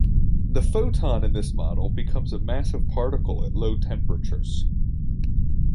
The photon in this model becomes a massive particle at low temperatures.